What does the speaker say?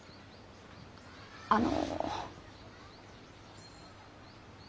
あの。